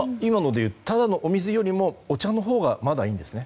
ただの水よりもお茶のほうがまだいいんですね。